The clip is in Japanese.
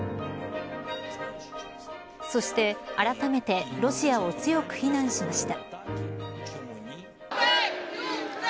そして、あらためてロシアを強く非難しました。